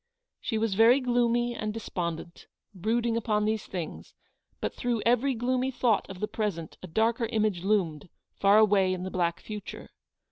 She was very gloomy and despondent, brooding upon these things, but through every gloomy thought of the present a darker image loomed, far away in the black future.